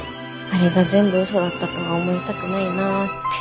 あれが全部嘘だったとは思いたくないなぁって。